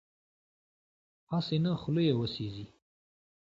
هسې نه خوله یې وسېزي.